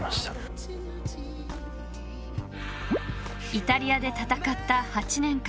［イタリアで戦った８年間］